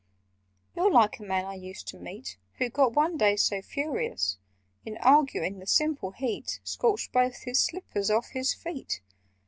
"You're like a man I used to meet, Who got one day so furious In arguing, the simple heat Scorched both his slippers off his feet!"